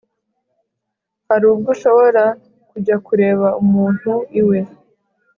hari ubwo ushobora kujya kureba umuntu iwe